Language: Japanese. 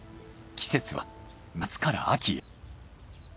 季節は夏から秋へ。